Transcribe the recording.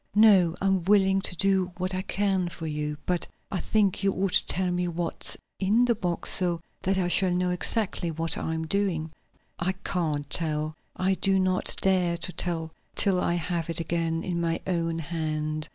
"No, I'm willing to do what I can for you. But I think you ought to tell me what's in the box, so that I shall know exactly what I am doing." "I can't tell; I do not dare to tell till I have it again in my own hand.